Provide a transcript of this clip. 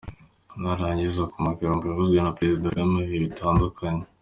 Narangiriza ku magambo yavuzwe na Perezida Kagame mu bihe bitandukanye: